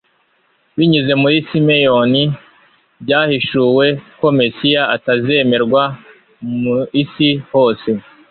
Binyuze muri Simeyoni, byahishuwe ko Mesiya atazemerwa mu isi hose